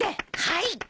はい！